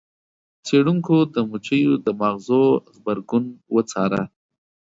څیړونکو د مچیو د ماغزو غبرګون وڅاره.